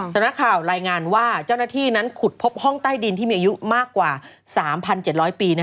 สำนักข่าวรายงานว่าเจ้าหน้าที่นั้นขุดพบห้องใต้ดินที่มีอายุมากกว่า๓๗๐๐ปี